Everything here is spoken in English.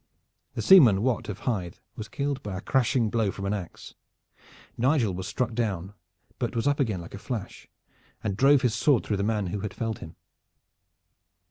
The seaman Wat of Hythe was killed by a crashing blow from an ax. Nigel was struck down, but was up again like a flash, and drove his sword through the man who had felled him.